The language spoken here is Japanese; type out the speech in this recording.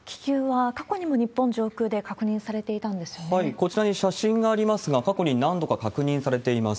こちらに写真がありますが、過去に何度か確認されています。